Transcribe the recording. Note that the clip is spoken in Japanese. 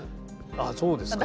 あっそうですか。